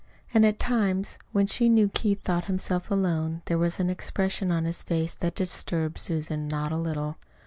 And at times, when she knew Keith thought himself alone, there was an expression on his face that disturbed Susan not a little.